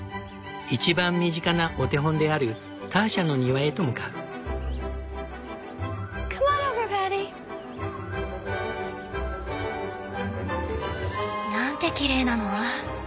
一番身近なお手本であるターシャの庭へと向かう。なんてきれいなの！